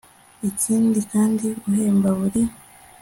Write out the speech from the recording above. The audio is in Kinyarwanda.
ikindi kandi uhemba buri